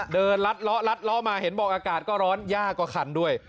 ลัดล้อลัดล้อมาเห็นบอกอากาศก็ร้อนยากกว่าคันด้วย